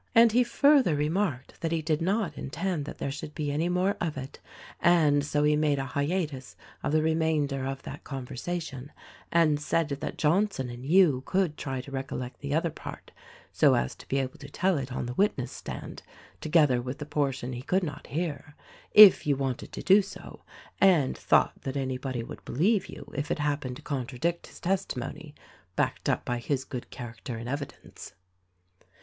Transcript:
And he further remarked that he did not intend that there should be any more of it —■ and so he made a hiatus of the remainder of that conversa tion and said that Johnson and you could try to recollect the other part so as to be able to tell it on the witness stand, to gether with the portion he could not hear — if you wanted to do so and thought that anybody would believe you if it hap pened to contradict his testimony, backed up by his good character and evidence."